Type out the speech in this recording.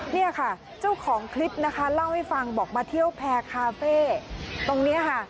เนี่ยค่ะเจ้าของคลิปนะคะเล่าให้ฟังบอกมาเที่ยวแพร่คาเฟ่ตรงนี้ค่ะ